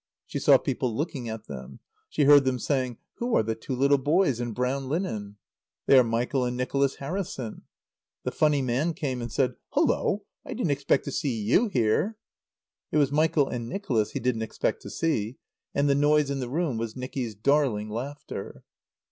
She saw people looking at them. She heard them saying: "Who are the two little boys in brown linen?" "They are Michael and Nicholas Harrison." The Funny Man came and said: "Hello! I didn't expect to see you here!" It was Michael and Nicholas he didn't expect to see; and the noise in the room was Nicky's darling laughter.